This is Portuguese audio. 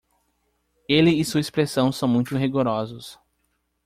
Ele e sua expressão são muito rigorosos